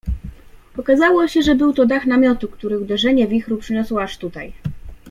Okazało się, że był to dach namiotu, który uderzenie wichru przyniosło aż tutaj.